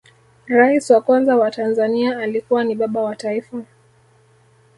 rais wa kwanza wa tanzania alikuwa ni baba wa taifa